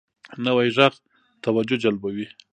نوی غږ توجه جلبوي